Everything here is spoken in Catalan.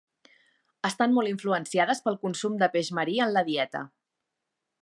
Estan molt influenciades pel consum de peix marí en la dieta.